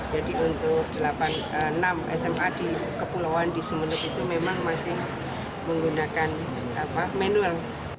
jadi untuk enam sma di kepulauan di sumen itu memang masih menggunakan manual